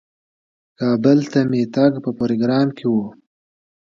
کابل ته مې تګ په پروګرام کې و.